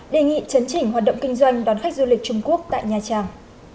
đề nghị chấn chỉnh hoạt động kinh doanh đón khách du lịch trung quốc tại nha trang